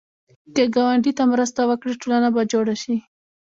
که ګاونډي ته مرسته وکړې، ټولنه به جوړه شي